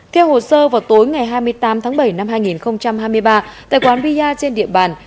theo hồ sơ vào tối ngày hai mươi tám tháng bảy năm hai nghìn hai mươi ba tại quán bia trên địa bàn